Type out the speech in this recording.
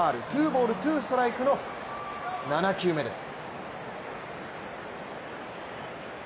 ２ボール・２ストライクの７球目です。